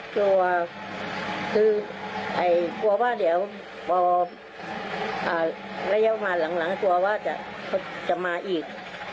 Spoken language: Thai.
กลัวคือกลัวว่าเดี๋ยวพอระยะมาหลังกลัวว่าจะมาอีก